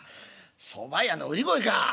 そば屋の売り声か。